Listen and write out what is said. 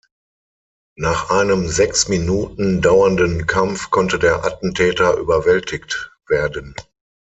Nach einem sechs Minuten dauernden Kampf konnte der Attentäter überwältigt werden.